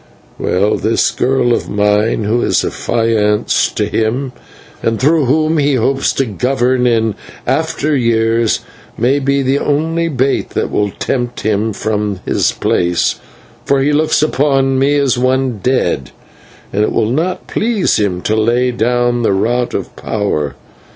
Well, this girl of mine, who is affianced to him, and through whom he hopes to govern in after years, may be the only bait that will tempt him from his place, for he looks upon me as one dead, and it will not please him to lay down the rod of power.